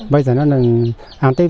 bây giờ nó là ăn tết